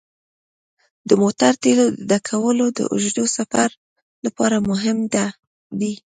د موټر تیلو ډکول د اوږده سفر لپاره مهم دي.